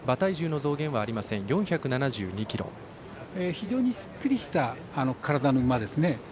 非常にすっきりした体の馬ですね。